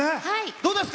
どうですか？